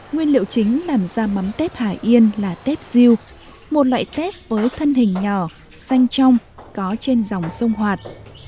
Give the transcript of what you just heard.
nguyên liệu chính làm ra mắm tép hải yên là tép diêu một loại tép với thân hình nhỏ xanh trong có trên dòng sông hoạt